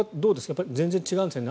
全然違うんですか？